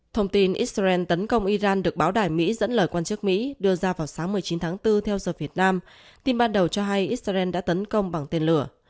thông tin israel tấn công iran được báo đài mỹ dẫn lời quan chức mỹ đưa ra vào sáng một mươi chín tháng bốn theo giờ việt nam tin ban đầu cho hay israel đã tấn công bằng tên lửa